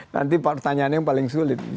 nanti pertanyaannya yang paling sulit